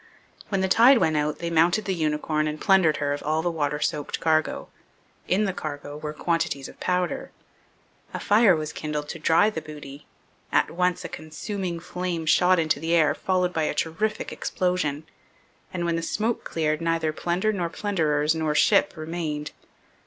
When the tide went out they mounted the Unicorn and plundered her of all the water soaked cargo. In the cargo were quantities of powder. A fire was kindled to dry the booty. At once a consuming flame shot into the air, followed by a terrific explosion; and when the smoke cleared neither plunder nor plunderers nor ship remained.